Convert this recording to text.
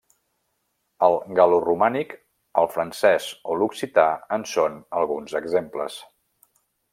El gal·loromànic, el francès o l’occità en són alguns exemples.